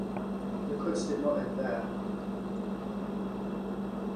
The cuts did not end there.